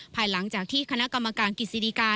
ภายหลังจากที่คณะกรรมการกิจสิริกา